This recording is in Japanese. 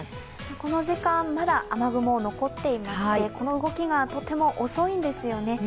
この時間、まだ雨雲残っていまして、この動きがとても遅いんですよね。